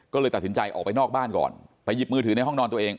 ก็เลยตัดสินใจออกไปนอกบ้านก่อนไปหยิบมือถือในห้องนอนตัวเอง